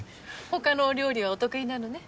他のお料理はお得意なのね？